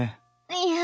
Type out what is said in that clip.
いや。